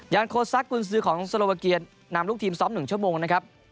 โคซักกุญซื้อของโซโลวาเกียรนำลูกทีมซ้อม๑ชั่วโมงนะครับ